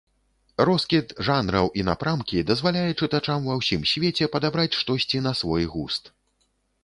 Роскід жанраў і напрамкі дазваляе чытачам ва ўсім свеце падабраць штосьці на свой густ.